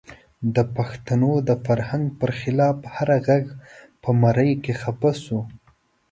د پښتنو د فرهنګ پر خلاف هر غږ په مرۍ کې خفه شو.